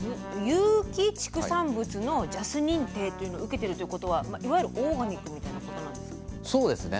有機畜産物のＪＡＳ認定というのを受けてるっていうことはいわゆるオーガニックみたいなことなんですよね？